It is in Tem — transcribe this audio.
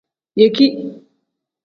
Yeki.